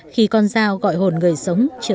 khi con dao gọi hồn người sống trở về